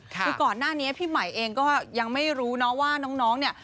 คือก่อนหน้านี้พี่ใหม่เองก็ยังไม่รู้นะว่าน้องเนี่ย